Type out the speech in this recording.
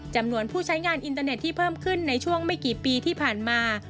จำนวนผู้ใช้งานอินเตอร์เน็ตที่เพิ่มขึ้นในช่วงไม่กี่ปีที่ผ่านมา